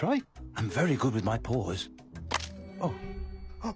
あっ！